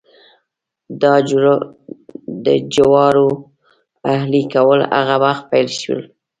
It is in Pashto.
د جوارو اهلي کول هغه وخت پیل شول.